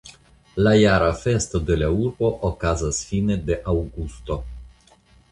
La jara festo de la urbo okazas fine de aŭgusto.